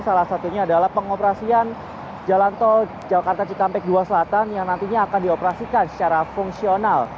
salah satunya adalah pengoperasian jalan tol jakarta cikampek dua selatan yang nantinya akan dioperasikan secara fungsional